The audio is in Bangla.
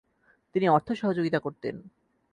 তিনি অর্থসহযোগিতা করতেন।